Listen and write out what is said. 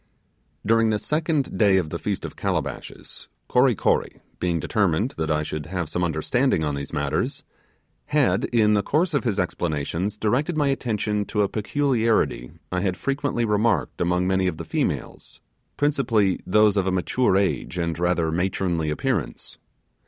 During the second day of the Feast of Calabashes, Kory Kory being determined that I should have some understanding on these matters had, in the course of his explanations, directed my attention to a peculiarity I had frequently remarked among many of the females; principally those of a mature age and rather matronly appearance.